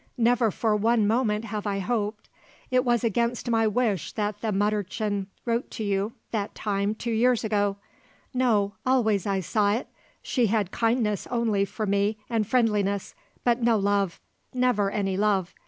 Never for one moment have I hoped. It was against my wish that the Mütterchen wrote to you that time two years ago. No; always I saw it; she had kindness only for me and friendliness; but no love; never any love.